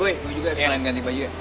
boy mau juga sekalian ganti baju ya